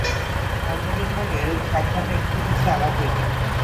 অন্যদিন হইলে এরূপ সাক্ষাতে একটু কিছু আলাপ হইত।